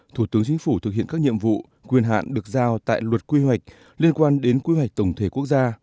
thủ tướng chính phủ thực hiện các nhiệm vụ quyền hạn được giao tại luật quy hoạch liên quan đến quy hoạch tổng thể quốc gia